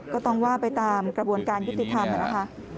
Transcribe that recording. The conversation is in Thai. ก็ต้องว่าไปตามกระบวนการยุติธรรมนะคะ